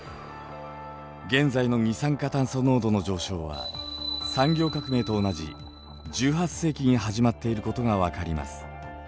現在の二酸化炭素濃度の上昇は産業革命と同じ１８世紀に始まっていることが分かります。